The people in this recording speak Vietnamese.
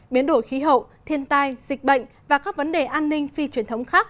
biến đổi khí hậu thiên tai dịch bệnh và các vấn đề an ninh phi truyền thống khác